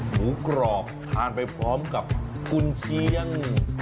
หมูกรอบทานไปพร้อมกับกุญเชียง